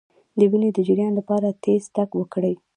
د وینې د جریان لپاره تېز تګ وکړئ